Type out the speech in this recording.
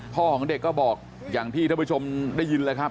ของเด็กก็บอกอย่างที่ท่านผู้ชมได้ยินเลยครับ